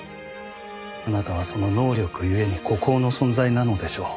あなたはその能力ゆえに孤高の存在なのでしょう。